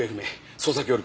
捜索協力